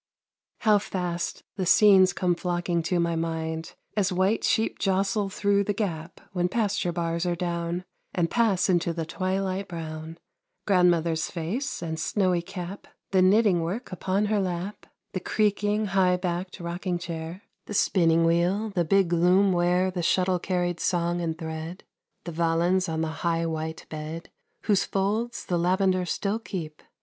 How fast the scenes come flocking to My mind, as white sheep jostle through The gap, when pasture bars are down, And pass into the twilight brown. Grandmother's face and snowy cap, The knitting work upon her lap, The creaking, high backed rocking chair; The spinning wheel, the big loom where The shuttle carried song and thread; The valance on the high, white bed Whose folds the lavender still keep.